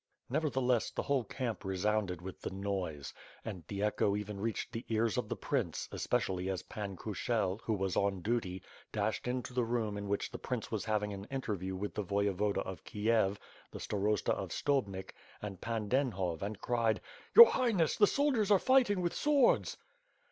Nevertheless, the whole camp resounded with the noise; and the echo even reached the ears of the prince, especially as Pan Knshel, who was on duty, dashed into the room in which the prince was having an interview with the Voyevoda of Kiev, the starosta of Stobnik and Pan Denhov, and cried: "Your Highness,' the soldiers are fig'hting with swords."